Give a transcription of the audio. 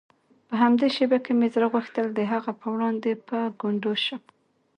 په همدې شېبه کې مې زړه غوښتل د هغه په وړاندې په ګونډو شم.